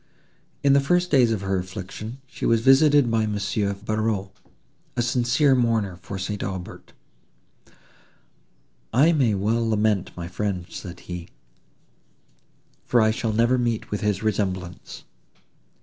In the first days of her affliction, she was visited by Monsieur Barreaux, a sincere mourner for St. Aubert. "I may well lament my friend," said he, "for I shall never meet with his resemblance.